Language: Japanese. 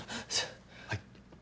はい。